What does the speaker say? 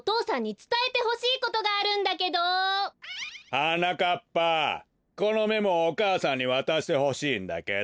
はなかっぱこのメモをお母さんにわたしてほしいんだけど。